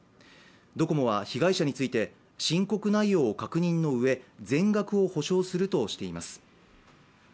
ドコモは被害者について、申告内容を確認のうえ、全額を補償するとしています。